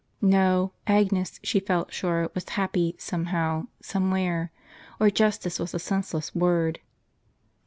ISTo. Agnes, she felt sure, was happy somehow, somewhere; or justice was a senseless word.